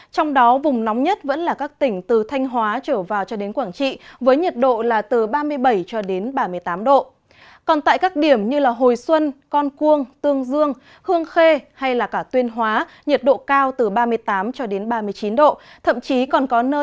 khu vực từ thừa thiên huế đến phú yên nhiệt độ là từ ba mươi năm cho đến ba mươi bảy độ